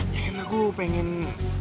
ya kan aku pengen psn